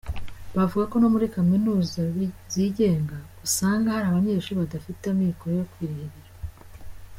Bavuga ko no muri kaminuza zigenga usanga hari abanyeshuri badafite amikoro yo kwirihira.